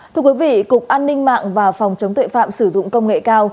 thưa quý vị cục an ninh mạng và phòng chống tuệ phạm sử dụng công nghệ cao